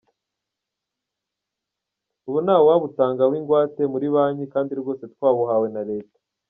Ubu ntawabutangaho ingwate muri banki kandi rwose twabuhawe na Leta.